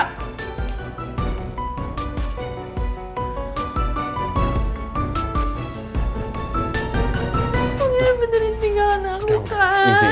koknyang beneran tinggal anak kita